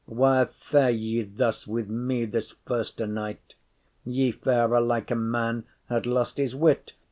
Why fare ye thus with me this firste night? Ye fare like a man had lost his wit.